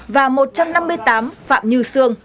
và một trăm năm mươi tám phạm như sương